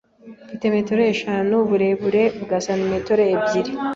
Mfite metero eshanu, uburebure bwa santimetero ebyiri.